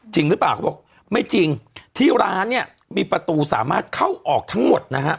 จริงหรือเปล่าเขาบอกไม่จริงที่ร้านเนี่ยมีประตูสามารถเข้าออกทั้งหมดนะฮะ